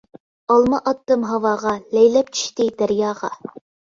ئالما ئاتتىم ھاۋاغا، لەيلەپ چۈشتى دەرياغا.